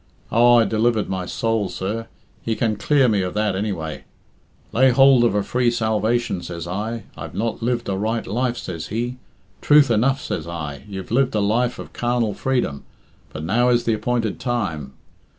Oh, I delivered my soul, sir; he can clear me of that, anyway. 'Lay hould of a free salvation,' says I. 'I've not lived a right life,' says he. 'Truth enough,' says I; 'you've lived a life of carnal freedom, but now is the appointed time.